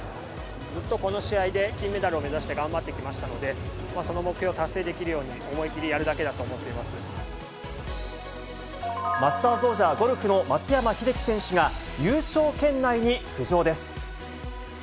ずっとこの試合で金メダルを目指して頑張ってきましたので、その目標達成できるように、思い切りやるだけだと思っていまマスターズ王者、ゴルフの松山英樹選手が、優勝圏内に浮上です。